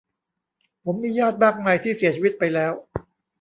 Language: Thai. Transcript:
ผมมีญาติมากมาย ที่เสียชีวิตไปแล้ว